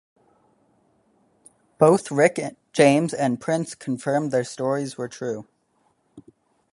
Both Rick James and Prince confirmed their stories were true.